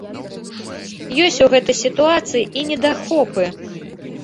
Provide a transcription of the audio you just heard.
Ёсць у гэтай сітуацыі і недахопы.